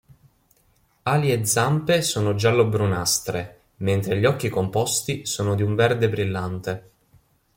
Ali e zampe sono giallo-brunastre, mentre gli occhi composti sono di un verde brillante.